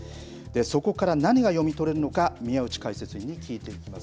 そこから何が読み取れるのか、宮内解説委員に聞いていきます。